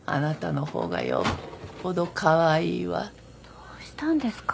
どうしたんですか？